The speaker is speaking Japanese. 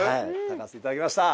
炊かせていただきました。